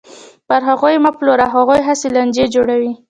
پر هغوی یې مه پلوره، هغوی هسې لانجې جوړوي.